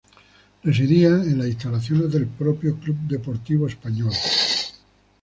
Residía en las instalaciones del propio Club Deportivo Español.